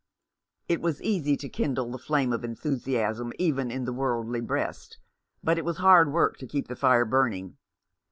It was easy to kindle the flame of enthusiasm even in the worldly breast ; but it was hard work to keep the fire burning.